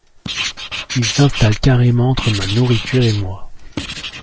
Il s’installe carrément entre ma nourriture et moi.